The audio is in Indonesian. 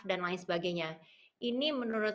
dan lain sebagainya ini menurut